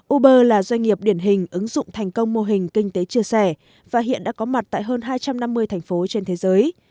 uber là doanh nghiệp điển hình ứng dụng thành công mô hình kinh tế chia sẻ và hiện đã có mặt tại hơn hai trăm năm mươi thành phố trên thế giới